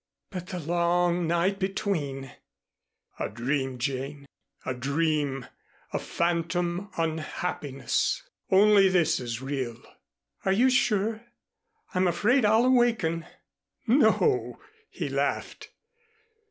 "But the long night between!" "A dream, Jane, a dream a phantom unhappiness only this is real." "Are you sure? I'm afraid I'll awaken." "No," he laughed.